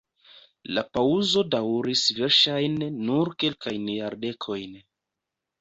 La paŭzo daŭris verŝajne nur kelkajn jardekojn.